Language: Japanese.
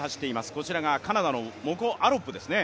こちらがカナダのモコ・アロップですね。